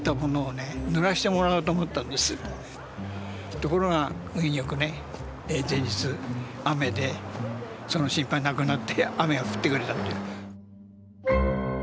ところが運良くね前日雨でその心配がなくなって雨が降ってくれたっていう。